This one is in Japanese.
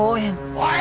おい！